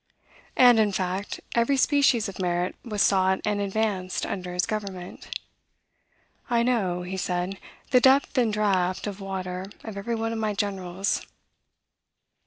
And, in fact, every species of merit was sought and advanced under his government. "I know," he said, "the depth and draught of water of every one of my generals."